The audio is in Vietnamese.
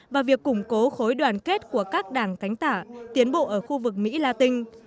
vào việc củng cố khối đoàn kết của các đảng cánh tả tiến bộ ở khu vực mỹ latin